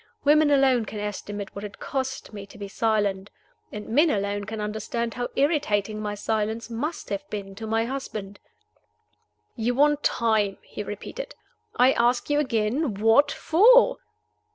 Women alone can estimate what it cost me to be silent. And men alone can understand how irritating my silence must have been to my husband. "You want time?" he repeated. "I ask you again what for?"